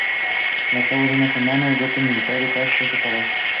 Al cabo de una semana, el golpe militar de Kapp fue sofocado.